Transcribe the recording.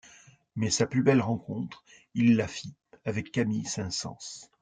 Mais sa plus belle rencontre, il la fit avec Camille Saint-Saëns.